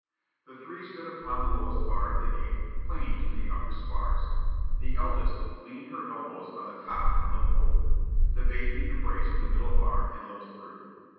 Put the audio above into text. The three stood upon the lowest bar of the gate, clinging to the upper spars. The eldest leaned her elbows on the top and looked over; the baby embraced the middle bar and looked through.